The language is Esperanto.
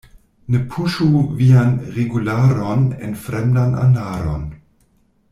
Ne puŝu vian regularon en fremdan anaron.